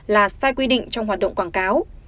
là sai quy định trong hoạt động quảng cáo